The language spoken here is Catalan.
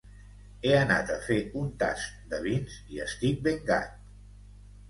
He anat a fer un tast de vins i estic ben gat!